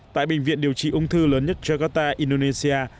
tại bệnh viện điều trị ung thư lớn nhất jakarta indonesia